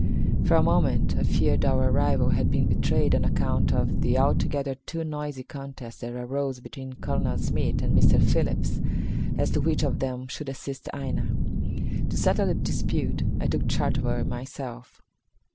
For a moment I feared our arrival had been betrayed on account of the altogether too noisy contest that arose between Colonel Smith and Mr. Phillips as to which of them should assist Aina. To settle the dispute I took charge of her myself.